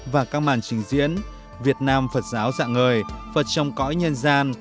và các màn trình diễn việt nam phật giáo dạng ngời phật trong cõi nhân gian